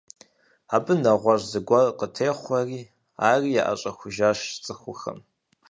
Абы нэгъуэщӏ зыгуэр къытехъуэри, ари яӏэщӏэхужащ цӏыхухэм.